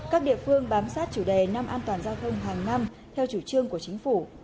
các địa phương bám sát chủ đề năm an toàn giao thông hàng năm theo chủ trương của chính phủ